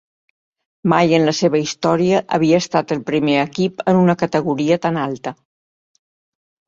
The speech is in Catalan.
Mai en la seva història havia estat el primer equip en una categoria tan alta.